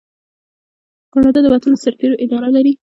کاناډا د وتلو سرتیرو اداره لري.